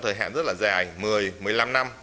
thời hạn rất là dài một mươi một mươi năm năm